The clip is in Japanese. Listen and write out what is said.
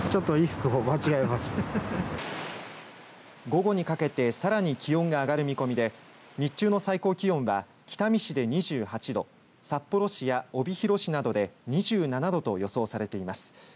午後にかけてさらに気温が上がる見込みで日中の最高気温が北見市で２８度札幌市や帯広市などで２７度と予想されています。